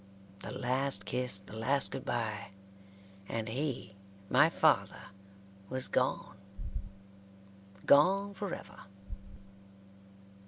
The last kiss, the last good by; and he, my father, was gone, gone forever.